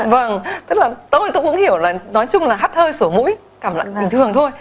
vâng tức là tôi cũng hiểu là nói chung là hắt hơi sổ mũi cảm lặng bình thường thôi